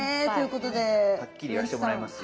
はっきり言わしてもらいますよ。